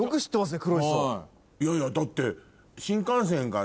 いやいやだって。